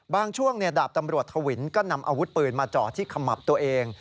ช่วงดาบตำรวจทวินก็นำอาวุธปืนมาเจาะที่ขมับตัวเอง